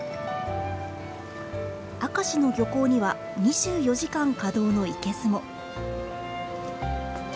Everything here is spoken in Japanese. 明石の漁港には２４時間稼働の生けすも。